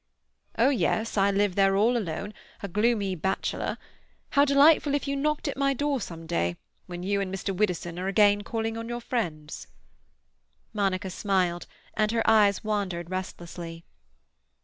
"Oh yes; I live there all alone, a gloomy bachelor. How delightful if you knocked at my door some day, when you and Mr. Widdowson are again calling on your friends." Monica smiled, and her eyes wandered restlessly.